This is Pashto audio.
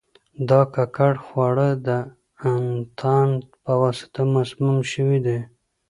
دا ککړ خواړه د انتان په واسطه مسموم شوي دي.